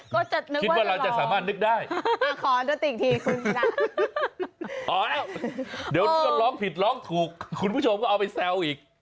คุณผู้ชมก็เอาไปเซาอีก